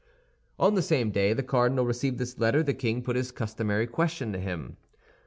On the same day the cardinal received this letter the king put his customary question to him.